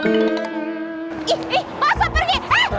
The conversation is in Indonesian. ih ih masa pergi